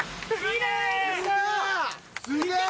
すげえ！